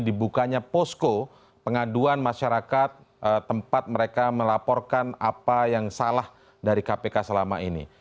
dibukanya posko pengaduan masyarakat tempat mereka melaporkan apa yang salah dari kpk selama ini